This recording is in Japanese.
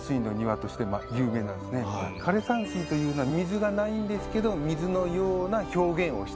枯山水というのは水がないんですけど水のような表現をしてる。